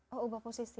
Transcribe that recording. oh ubah posisi